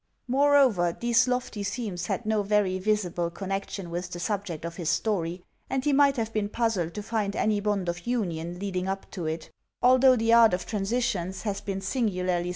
Moreover, these lofty themes had no very visible con nection with the subject of his story, and he might have been puzzled to find any bond of union leading up to it, although the art of transitions has been singularly 14 PREFACE TO THE SECOND EDITION.